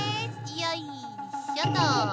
よいしょっと。